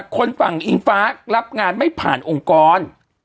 คนฝั่งอิงฟ้ารับงานไม่ผ่านองค์กร